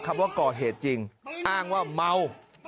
ว่าก่อเหตุจริงอ้างว่าเมา